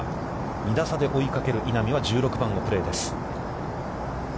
２打差で追いかける稲見は１６番をプレーです。